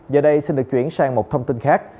giờ đây xin được chuyển sang một thông tin khác